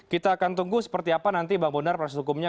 kita akan tunggu seperti apa nanti bang bondar proses hukumnya